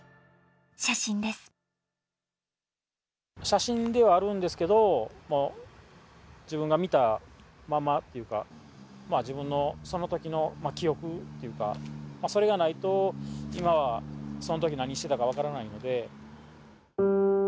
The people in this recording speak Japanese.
写真ではあるんですけど、自分が見たままというか、自分のそのときの記憶というか、それがないと、今、そのとき何してたか分からないので。